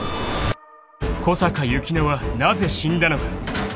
［小坂由希乃はなぜ死んだのか？］